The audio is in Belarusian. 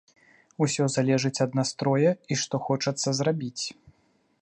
Усе залежыць ад настроя і што хочацца зрабіць.